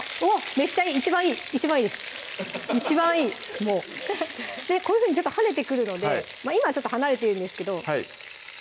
めっちゃいい一番いい一番いいです一番いいもうこういうふうに跳ねてくるので今はちょっと離れてるんですけど